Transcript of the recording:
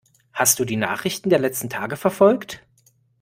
Hast du die Nachrichten der letzten Tage verfolgt?